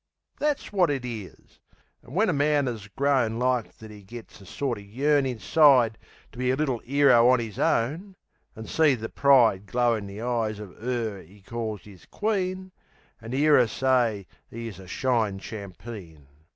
That's wot it is. An' when a man 'as grown Like that 'e gets a sorter yearn inside To be a little 'ero on 'is own; An' see the pride Glow in the eyes of 'er 'e calls 'is queen; An' 'ear 'er say 'e is a shine champeen.